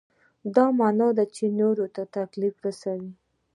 دا معنا ده چې نورو ته تکلیف رسوئ.